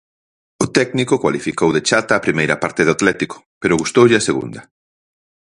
O técnico cualificou de chata a primeira parte do Atlético, pero gustoulle a segunda.